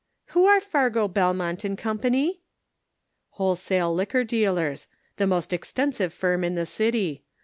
" Who are Fargo, Belmont & Co ?"" Wholesale liquor dealers ; the most ex tensive firm in the city.